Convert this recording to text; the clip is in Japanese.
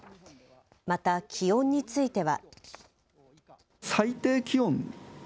また気温については。